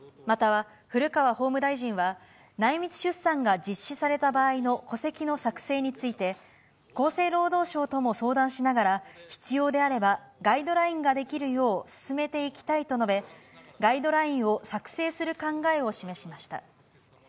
また、古川法務大臣は、内密出産が実施された場合の戸籍の作成について、厚生労働省とも相談しながら、必要であればガイドラインができるよう進めていきたいと述べ、ガイドラインを作成する考えを示しました。